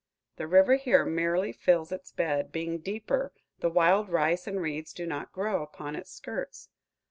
The river here merely fills its bed; being deeper, the wild rice and reeds do not grow upon its skirts.